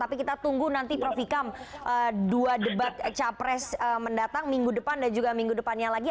tapi kita tunggu nanti prof ikam dua debat capres mendatang minggu depan dan juga minggu depannya lagi